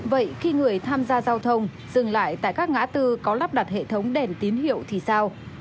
vậy khi người tham gia giao thông dừng lại tại các ngã tư có lắp đặt hệ thống đèn tín hiệu thì sao